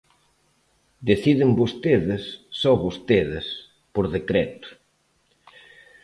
Deciden vostedes, só vostedes, por decreto.